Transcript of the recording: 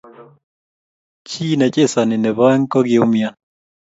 Chi nechesani niboaeng kokiumian.